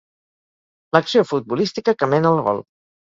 L'acció futbolística que mena al gol.